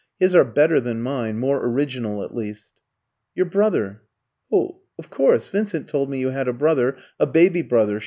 His are better than mine more original, at least." "Your brother? Oh, of course. Vincent told me you had a brother, a baby brother.